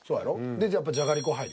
でやっぱりじゃがりこは入る。